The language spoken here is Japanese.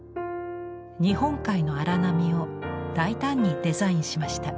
日本海の荒波を大胆にデザインしました。